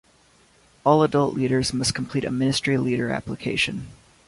All adult leaders must complete a Ministry Leader Application.